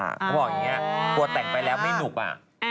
เขาบอกอย่างนี้กลัวแต่งไปแล้วไม่หนุกอ่ะ